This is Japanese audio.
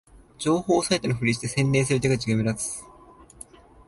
情報サイトのふりをして宣伝する手口が目立つ